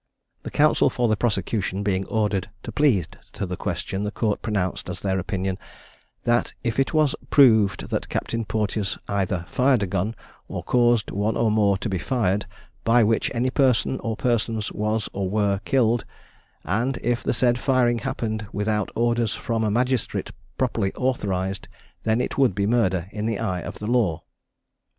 The counsel for the prosecution being ordered to plead to the question, the court pronounced as their opinion, "That if it was proved that Captain Porteous either fired a gun, or caused one or more to be fired, by which any person or persons was or were killed, and if the said firing happened without orders from a magistrate properly authorised, then it would be murder in the eye of the law."